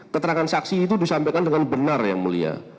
keterangan saksi itu disampaikan dengan benar yang mulia